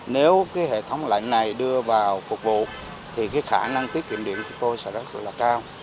nếu cái hệ thống lạnh này đưa vào phục vụ thì cái khả năng tiết kiệm điện của tôi sẽ rất là cao